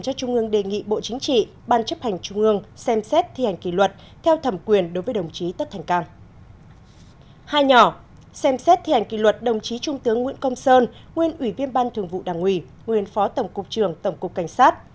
hai nhóm xem xét thi hành kỷ luật đồng chí trung tướng nguyễn công sơn nguyên ủy viên ban thường vụ đảng ủy nguyên phó tổng cục trường tổng cục cảnh sát